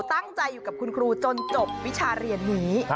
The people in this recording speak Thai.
ตั้งใจอยู่กับคุณครูจนจบวิชาเรียนนี้